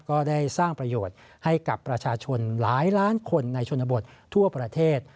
ก็ได้สร้างประโยชน์ให้กับประชาชนหลายล้านคนในชนบททั่วประเทศ